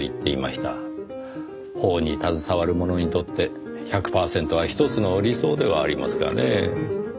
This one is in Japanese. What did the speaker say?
法に携わる者にとって１００パーセントはひとつの理想ではありますがねぇ。